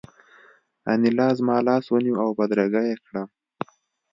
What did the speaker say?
انیلا زما لاس ونیو او بدرګه یې کړم